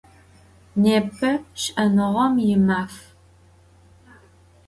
Nêpe Ş'enığem yi Maf.